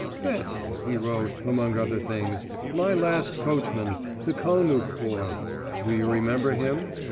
'Fancy,' he wrote, among other things, 'my last coachman, the Kalmuck boy, do you remember him?